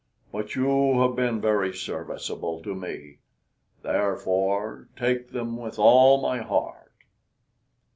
But you have been very serviceable to me, therefore take them with all my heart."